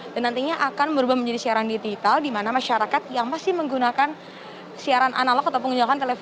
dan nantinya akan berubah menjadi siaran digital dimana masyarakat yang pasti menggunakan siaran analog